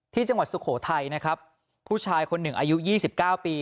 ที่จังหวัดสุโขทัยผู้ชายคน๑อายุ๒๙ปี